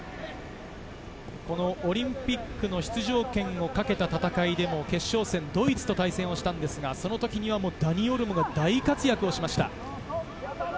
オリンピックの出場権を懸けた戦いでも決勝戦、ドイツと対戦したんですが、その時はダニ・オルモが大活躍しました。